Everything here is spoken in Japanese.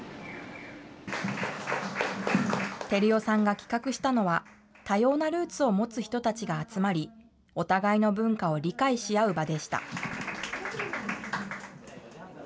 照代さんが企画したのは、多様なルーツを持つ人たちが集まり、お互いの文化を理解し合う場でした。